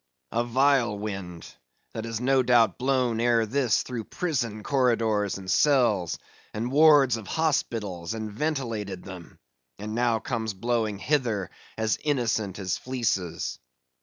A vile wind that has no doubt blown ere this through prison corridors and cells, and wards of hospitals, and ventilated them, and now comes blowing hither as innocent as fleeces.